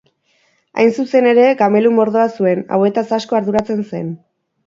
Hain zuzen ere, gamelu mordoa zuen, hauetaz asko arduratzen zen.